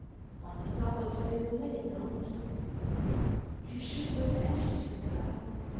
On the supper table lay a note. She shivered as she took it up.